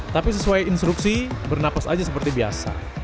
tapi sesuai instruksi bernafas aja seperti biasa